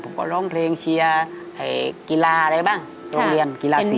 ผมก็ร้องเพลงเชียร์กีฬาอะไรบ้างโรงเรียนกีฬาศรี